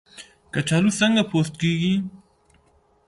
کچالو څنګه پوست کیږي؟